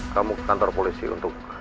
kamu ke kantor polisi untuk